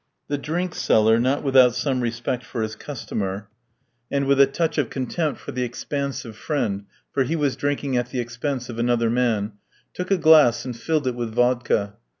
The drink seller, not without some respect for his customer, and with a touch of contempt for the expansive friend (for he was drinking at the expense of another man), took a glass and filled it with vodka.